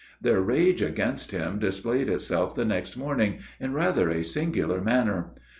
Their rage against him displayed itself the next morning, in rather a singular manner.